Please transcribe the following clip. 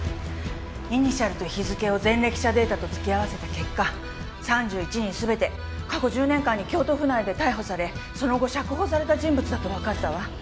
イニシャルと日付を前歴者データと突き合わせた結果３１人全て過去１０年間に京都府内で逮捕されその後釈放された人物だとわかったわ。